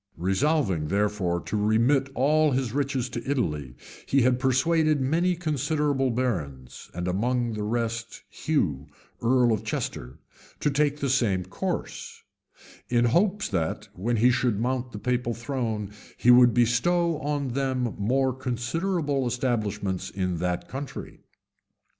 Resolving, therefore, to remit all his riches to Italy, he had persuaded many considerable barons, and among the rest Hugh, earl of Chester, to take the same course; in hopes that, when he should mount the papal throne, he would bestow on them more considerable establishments in that country.